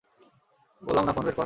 বললাম না ফোন বের কর!